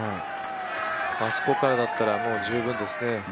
あそこからだったらもう十分ですね。